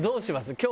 今日。